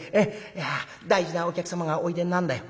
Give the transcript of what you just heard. いや大事なお客様がおいでなんだよ。